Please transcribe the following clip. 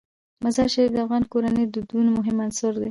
مزارشریف د افغان کورنیو د دودونو مهم عنصر دی.